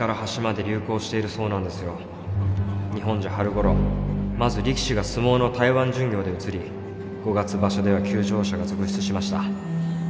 日本じゃ春ごろまず力士が相撲の台湾巡業でうつり５月場所では休場者が続出しました。